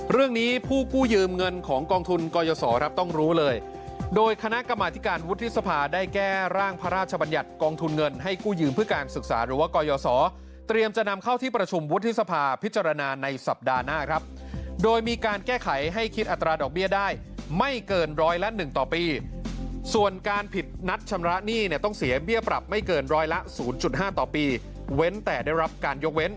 เรื่องนี้ผู้กู้ยืมเงินของกองทุนกรยศรต้องรู้เลยโดยคณะกรรมธิการวุฒิศภาได้แก้ร่างพระราชบัญญัติกองทุนเงินให้กู้ยืมเพื่อการศึกษาหรือว่ากรยศรเตรียมจะนำเข้าที่ประชุมวุฒิศภาพิจารณาในสัปดาห์หน้าครับโดยมีการแก้ไขให้คิดอัตราดอกเบี้ยได้ไม่เกินร้อยละ๑ต่อปีส่วน